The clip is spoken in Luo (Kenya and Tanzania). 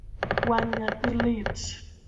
Wang’ nyathi lit?